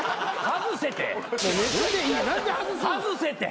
外せって！